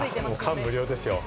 感無量です。